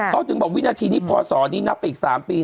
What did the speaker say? เขาถึงบอกวินาทีนี้พศนี้นับไปอีก๓ปี